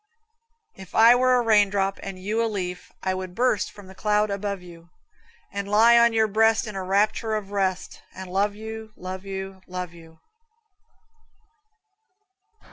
If I were a raindrop and you a leaf, I would burst from the cloud above you, And lie on your breast in a rapture of rest, And love you love you love you.